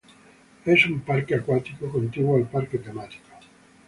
Es un parque acuático contiguo al parque temático.